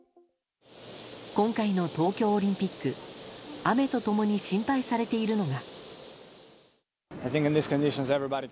今回の東京オリンピック雨と共に心配されているのが。